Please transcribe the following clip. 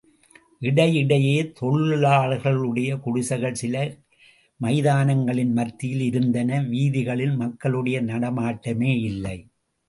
இடையிடையே தொழிலாளர்களுடைய குடிசைகள் சில மைதானங்களின் மத்தியில் இருந்தன வீதிகளில் மக்களுடைய நடமாட்டமேயில்லை.